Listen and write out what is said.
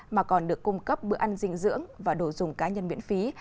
mà còn được cung cấp bữa ăn dinh dưỡng và đồ dùng cá nhân miễn phí